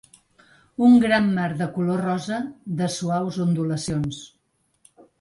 Un gran mar de color rosa, de suaus ondulacions.